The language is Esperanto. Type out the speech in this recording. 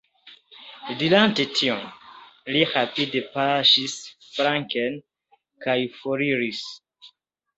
Dirante tion, li rapide paŝis flanken kaj foriris.